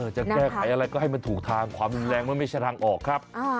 จะแก้ไขอะไรก็ให้มันถูกทางความรุนแรงมันไม่ใช่ทางออกครับ